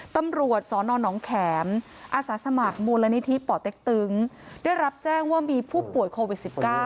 ตำรวจสนหนองแขมอาสาสมัครมูลนิธิป่อเต็กตึงได้รับแจ้งว่ามีผู้ป่วยโควิด๑๙